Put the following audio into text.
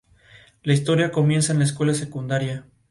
Obtuvo dos grados en Harvard, en física y matemática aplicada.